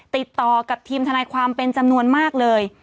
ติดต่อกับทีมทนายความเป็นจำนวนมากเลย